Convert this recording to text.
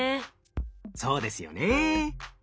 そうですよね。